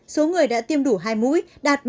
số người đã tiêm đủ hai mũi đạt ba mươi